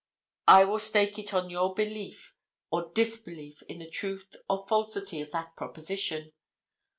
I will stake it on your belief or disbelief in the truth or falsity of that proposition.